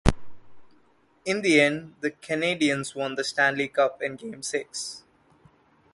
In the end, the Canadiens won the Stanley Cup in game six.